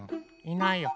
いないや。